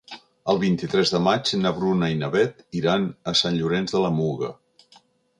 El vint-i-tres de maig na Bruna i na Beth iran a Sant Llorenç de la Muga.